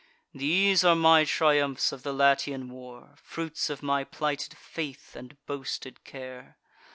These are my triumphs of the Latian war, Fruits of my plighted faith and boasted care!